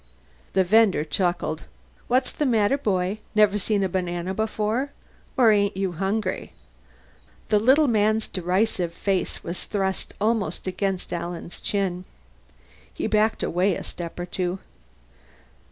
The vender chuckled. "What's the matter, boy? Never seen a banana before? Or ain't you hungry?" The little man's derisive face was thrust up almost against Alan's chin. He backed away a step or two.